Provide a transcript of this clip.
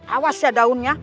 awas ya daunnya